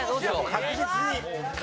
確実に。